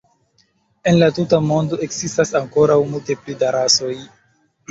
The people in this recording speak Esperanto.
En la tuta mondo ekzistas ankoraŭ multe pli da rasoj.